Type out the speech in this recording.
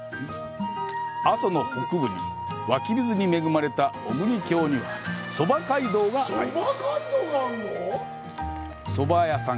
阿蘇の北部に湧き水に恵まれた小国郷にはそば街道があります。